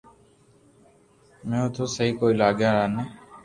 منو تو سھي ڪوئي لاگي بائي